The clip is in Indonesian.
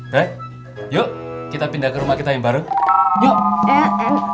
deh yuk kita pindah ke rumah kita yang bareng yuk